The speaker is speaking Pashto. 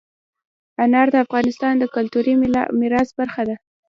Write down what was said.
انار د افغانستان د کلتوري میراث برخه ده.